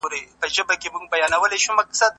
چي مړونه وي، هلته کورونه وي.